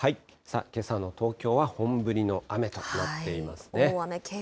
けさの東京は本降りの雨となっていますね。